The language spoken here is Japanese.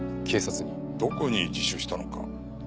どこに自首したのか。